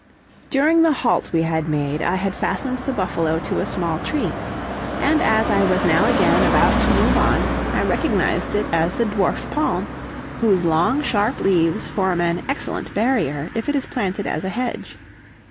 During the halt we had made I had fastened the buffalo to a small tree, and as I was now again about to move on, I recognized it as the dwarf palm, whose long, sharp leaves form an excellent barrier if it is planted as a hedge.